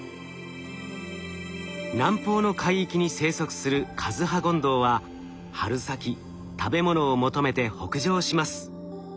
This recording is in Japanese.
南方の海域に生息するカズハゴンドウは春先食べ物を求めて北上します。